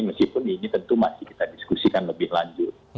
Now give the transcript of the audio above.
meskipun ini tentu masih kita diskusikan lebih lanjut